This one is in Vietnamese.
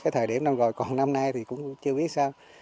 thời điểm năm rồi còn năm nay thì cũng chưa biết sao